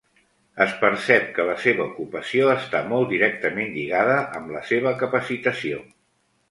Es percep que la seva ocupació està molt directament lligada amb la seva capacitació.